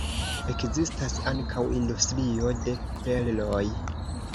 Ekzistas ankaŭ industrio de perloj.